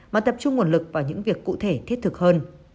mà tập trung nguồn lực vào những việc cụ thể thiết thực hơn